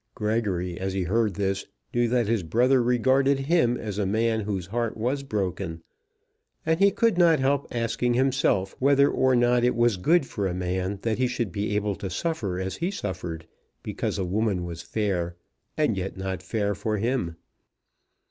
Gregory, as he heard this, knew that his brother regarded him as a man whose heart was broken, and he could not help asking himself whether or not it was good for a man that he should be able to suffer as he suffered, because a woman was fair and yet not fair for him.